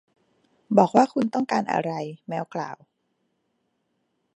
บอกว่าคุณต้องการอะไร แมวกล่าว